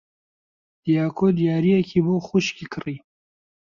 دیاکۆ دیارییەکی بۆ خوشکی کڕی.